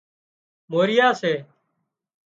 موريا سي